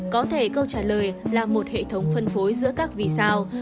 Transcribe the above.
có thể câu trả lời là một hệ thống phân phối giữa các vì sao